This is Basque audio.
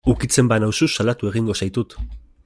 Ukitzen banauzu salatu egingo zaitut.